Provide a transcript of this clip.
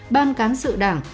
ban cán sự đảng